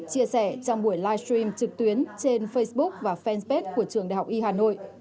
chia sẻ trong buổi live stream trực tuyến trên facebook và fanpage của trường đại học y hà nội